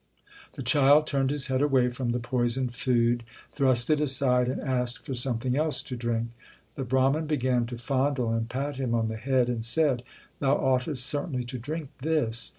The child turned his head away from the poisoned food, thrust it aside, and asked for something else to drink. The Brahman began to fondle and pat him on the head, and said, Thou oughtest certainly to drink this.